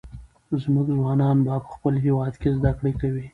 زموږ ځوانان به په خپل هېواد کې زده کړې کوي.